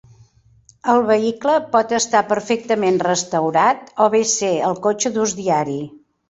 El vehicle pot estar perfectament restaurat o bé ser el cotxe d'ús diari.